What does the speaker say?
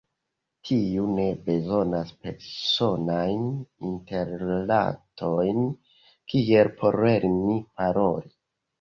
Tiu ne bezonas personajn interrilatojn, kiel por lerni paroli.